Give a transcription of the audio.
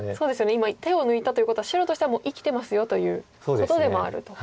今手を抜いたということは白としてはもう生きてますよということでもあると。